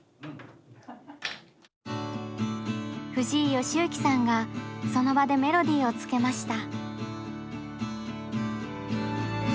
藤井敬之さんがその場でメロディーをつけました。